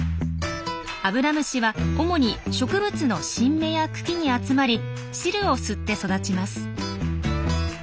アブラムシは主に植物の新芽や茎に集まり汁を吸って育ちます。